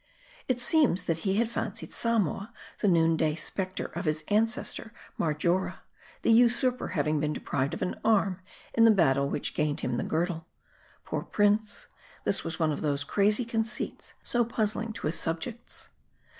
It seems, that he had fancied Samoa the noon day specter of his ancestor Marjora ; the usurper having been deprived of an arm in the battle which gained him the girdle. Poor prince : this was one of those crazy conceits, so puzzling to his subjects.